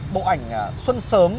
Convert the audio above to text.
bộ ảnh xuân sớm